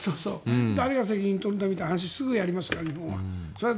誰が責任取るんだって話をすぐやりますから、日本は。